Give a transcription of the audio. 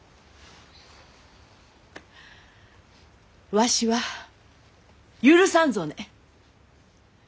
わしは許さんぞね。